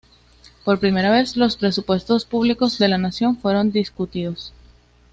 Por primera vez los presupuestos públicos de la nación fueron discutidos.